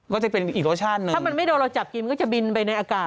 ก็จะเป็นอีกโลชั่นนะถ้ามันไม่โดนเราจับกินก็จะบินไปในอากาศ